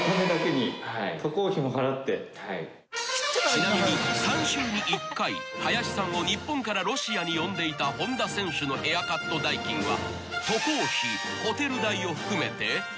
［ちなみに３週に１回林さんを日本からロシアに呼んでいた本田選手のヘアカット代金は］